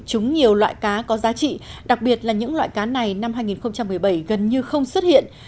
chúng nhiều loại cá có giá trị đặc biệt là những loại cá này năm hai nghìn một mươi bảy gần như không xuất hiện